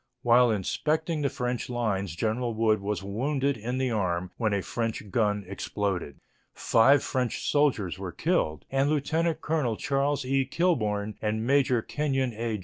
While inspecting the French lines General Wood was wounded in the arm when a French gun exploded. Five French soldiers were killed and Lieutenant Colonel Charles E. Kilbourne and Major Kenyon A.